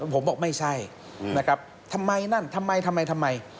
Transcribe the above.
ผมบอกไม่ใช่ทำไมนั่นทำไมทำไมทำไม